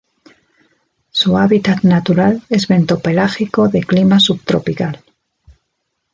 Su hábitat natural es bentopelágico de clima subtropical.